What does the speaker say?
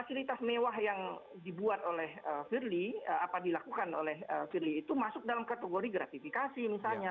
fasilitas mewah yang dibuat oleh firly apa dilakukan oleh firly itu masuk dalam kategori gratifikasi misalnya